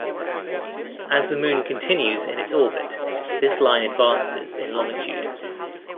As the Moon continues in its orbit, this line advances in longitude.